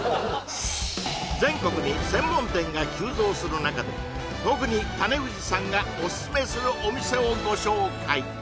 全国に専門店が急増する中で特に種藤さんがオススメするお店をご紹介